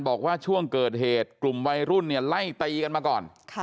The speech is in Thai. บอกว่าช่วงเกิดเหตุกลุ่มวัยรุ่นเนี่ยไล่ตีกันมาก่อน